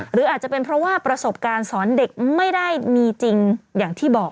หรืออาจจะเป็นเพราะว่าประสบการณ์สอนเด็กไม่ได้มีจริงอย่างที่บอก